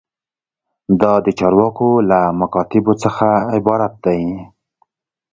دا د چارواکو له مکاتیبو څخه عبارت دی.